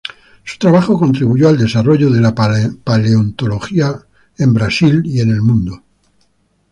Su trabajo contribuyó al desarrollo de la paleontología Brasil y el mundo.